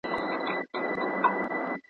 پارلمان نوی سفیر نه باسي.